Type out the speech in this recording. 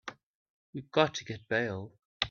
We've got to get bail.